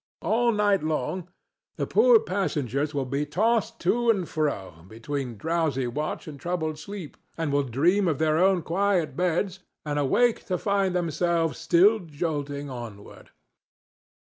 All night long the poor passengers will be tossed to and fro between drowsy watch and troubled sleep, and will dream of their own quiet beds and awake to find themselves still jolting onward.